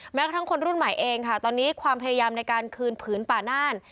แม้กระทั่งคนรุ่นใหม่เองค่ะตอนนี้ความพยายามในการคืนผืนป่าน่าน